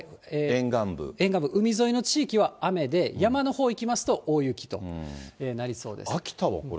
沿岸部、海沿いの地域は雨で、山のほう行きますと、大雪となりそうです。